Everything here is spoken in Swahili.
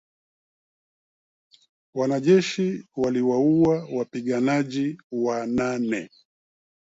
Wanajeshi waliwaua wapiganaji wanane